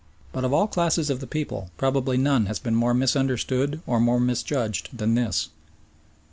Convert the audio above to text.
But of all classes of the people probably none has been more misunderstood or more misjudged than this.